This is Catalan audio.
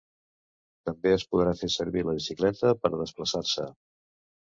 També es podrà fer servir la bicicleta per a desplaçar-se.